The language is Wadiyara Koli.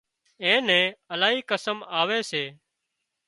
اين نين الاهي قسم آوي سي